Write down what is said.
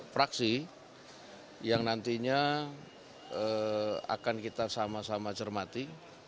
fraksi yang nantinya akan kita sama sama cermati